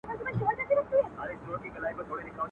خوشحال بلله پښتانه د لندو خټو دېوال.